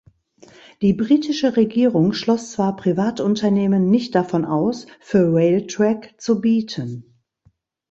Die britische Regierung schloss zwar Privatunternehmen nicht davon aus, für Railtrack zu bieten.